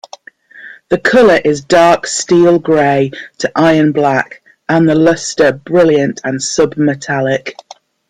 The color is dark steel-grey to iron-black, and the luster brilliant and submetallic.